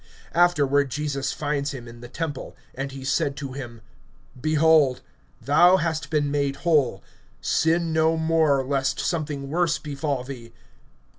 (14)Afterward Jesus finds him in the temple. And he said to him: Behold, thou hast been made whole; sin no more, lest something worse befall thee.